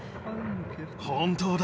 本当だ。